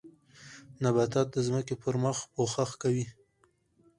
نباتات د ځمکې پر مخ پوښښ کوي